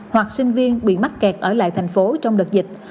hoặc sinh viên bị mắc kẹt ở lại thành phố trong đợt dịch